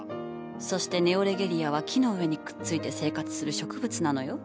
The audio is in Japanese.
そしてネオレゲリアは木の上にくっついて生活する植物なのよ。